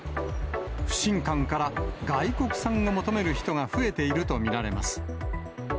不信感から、外国産を求める人が増えていると見られます。